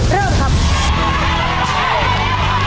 เริ่มครับ